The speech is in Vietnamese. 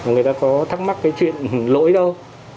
người ta có thắc mắc cái chuyện lỗi đâu